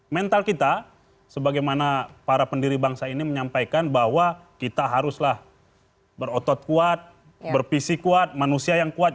mental kita sebagaimana para pendiri bangsa ini menyampaikan bahwa kita haruslah berotot kuat berpisi kuat manusia yang kuat